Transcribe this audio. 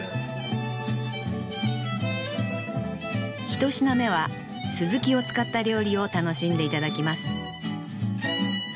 一品目は鱸を使った料理を楽しんで頂きます